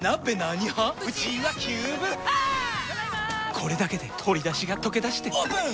これだけで鶏だしがとけだしてオープン！